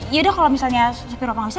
ya udah kalau misalnya sepupu papa nggak bisa